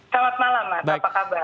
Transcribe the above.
selamat malam mas apa kabar